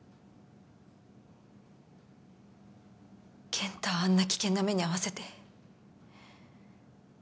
健太をあんな危険な目に遭わせて。